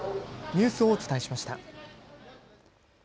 ニュースをお伝えしました。